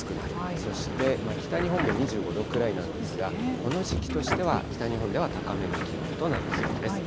そして北日本も２５度くらいなんですが、この時期としては北日本では高めの気温となりそうです。